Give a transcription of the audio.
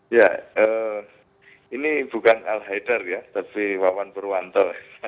ya ini bukan al haidar ya tapi wawan purwanto